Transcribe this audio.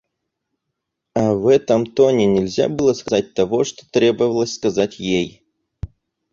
А в этом тоне нельзя было сказать того, что требовалось сказать ей.